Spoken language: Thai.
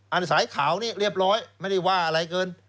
สายขาวนี่เรียบร้อยไม่ได้ว่าอะไรเกิน